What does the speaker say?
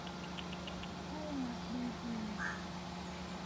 ใช่ฮะ ดีจริง